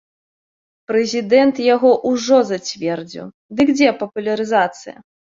Прэзідэнт яго ўжо зацвердзіў, дык дзе папулярызацыя?